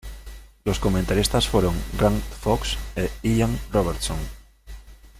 Los comentaristas fueron Grant Fox e Ian Robertson.